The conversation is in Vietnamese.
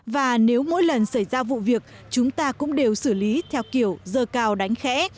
và nếu mỗi lần xảy ra vụ việc chúng ta cũng đều xử lý theo kiểu dơ cao đánh khẽ